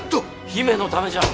姫のためじゃ